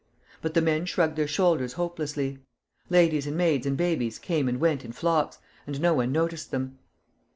But the men shrugged their shoulders hopelessly. Ladies and maids and babies came and went in flocks, and no one noticed them.